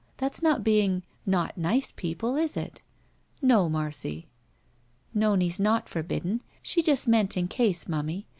That's not being — ^not nice people, is it?" "No, Marcy." "Nonie's not forbidden. She just meant in case, momie.